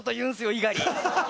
意外に。